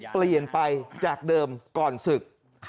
เปลี่ยนไปจากเดิมก่อนศึก